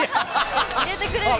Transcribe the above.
入れてくれる。